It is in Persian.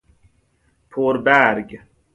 پر برگ